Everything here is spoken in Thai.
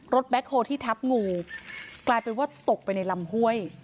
แบ็คโฮที่ทับงูกลายเป็นว่าตกไปในลำห้วย